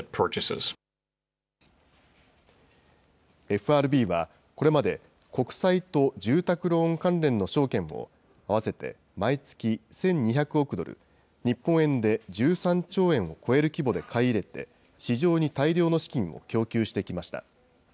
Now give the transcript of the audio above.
ＦＲＢはこれまで、国債と住宅ローン関連の証券を合わせて毎月１２００億ドル、日本円で１３兆円を超える規模で買い入れて、市場に大量の資金を供給してきました。